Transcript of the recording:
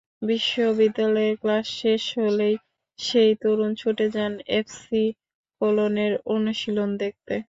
বিশ্ববিদ্যালয়ের ক্লাস শেষ হলেই সেই তরুণ ছুটে যান এফসি কোলনের অনুশীলন দেখতে।